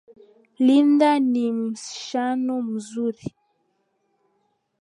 Linda ni msichana mzuri.